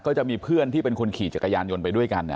ก็จะมีเพื่อนที่เป็นคนขี่จักรยานยนต์ไปด้วยกัน